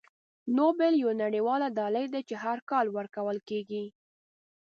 نوبل یوه نړیواله ډالۍ ده چې هر کال ورکول کیږي.